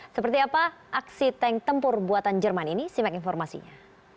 seperti apa aksi tank tempur buatan jerman ini simak informasinya